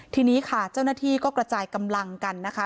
ทีนี้ค่ะเจ้าหน้าที่ก็กระจายกำลังกันนะคะ